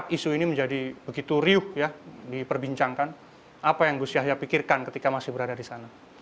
isu ini menjadi begitu riuh ya diperbincangkan apa yang gus yahya pikirkan ketika masih berada di sana